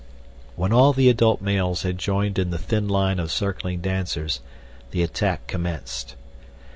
When all the adult males had joined in the thin line of circling dancers the attack commenced.